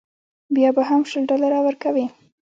بیا به هم شل ډالره ورکوې.